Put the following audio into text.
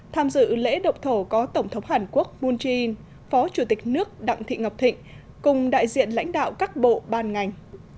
tham dự lễ động thổ có tổng thống hàn quốc moon jae in phó chủ tịch nước đặng thị ngọc thịnh cùng đại diện lãnh đạo các bộ ban ngành